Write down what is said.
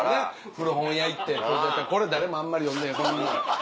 古本屋行って「これ誰もあんまり読んでへんこんなん。